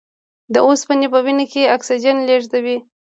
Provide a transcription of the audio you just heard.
د اوسپنې په وینه کې اکسیجن لېږدوي.